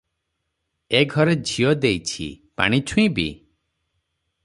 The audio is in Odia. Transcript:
ଏ ଘରେ ଝିଅ ଦେଇଛି, ପାଣି ଛୁଇଁବି?